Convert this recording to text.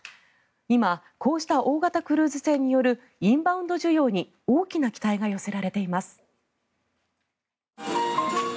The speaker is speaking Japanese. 今こうした大型クルーズ船によるインバウンド需要に大きな期待が寄せられています。